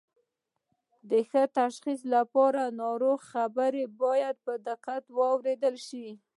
د ښه تشخیص لپاره د ناروغ خبرې باید په دقت واوریدل شي